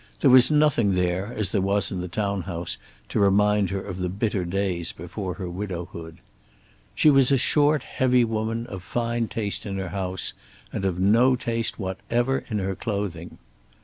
There was nothing there, as there was in the town house, to remind her of the bitter days before her widowhood. She was a short, heavy woman, of fine taste in her house and of no taste whatever in her clothing.